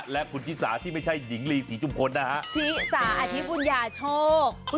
และคุณชิสาที่ไม่ใช่หญิงลีศรีจุมพลนะฮะชิสาอธิบุญญาโชค